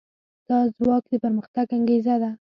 دا ځواک د پرمختګ انګېزه ده.